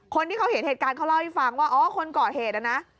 คนที่เขาเห็นเหตุการณ์เขาเล่าให้ฟังว่าอ๋อคนก่อเหตุนะ